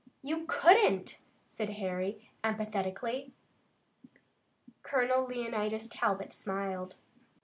"You couldn't," said Harry emphatically. Colonel Leonidas Talbot smiled.